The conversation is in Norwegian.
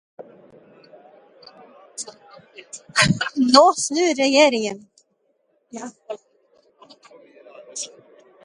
Nå snur regjeringen.